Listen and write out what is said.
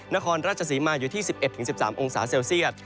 นครราชศรีมาอยู่ที่๑๑๑๑๓องศาเซลเซียต